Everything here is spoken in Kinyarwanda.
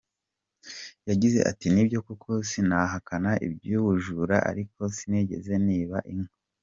Yagize ati: “Nibyo koko sinahakana iby’ubujura ariko sinigeze niba inka.